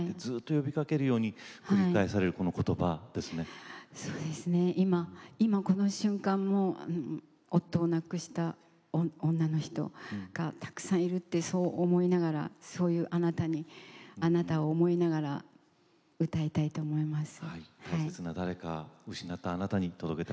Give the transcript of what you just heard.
呼びかけられるように今この瞬間も夫を亡くした女の人たくさんいるってそう思いながらそういう「あなた」と思いながら歌いたいと思います。